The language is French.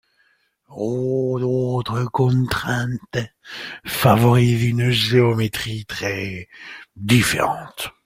Au d'autres contraintes favorisent une géométrie très différente.